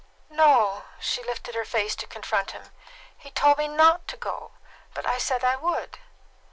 "No;" she lifted her face to confront him. "He told me not to go; but I said I would."